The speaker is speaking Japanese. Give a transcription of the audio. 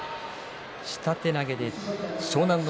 下手投げ湘南乃